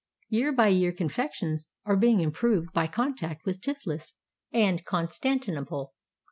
Year by year con fections are being improved by contact with Tiflis and Constantinople.